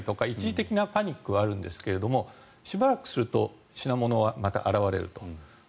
一時的なパニックはあるんですがしばらくすると品物はまた現れると。